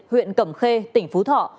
huyện cẩm khê tỉnh phú thọ